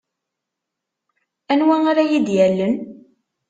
Anwa ara yi-d-yallen?